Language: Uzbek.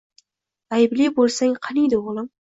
Aybli bo’lsang qaniydi, o’g’lim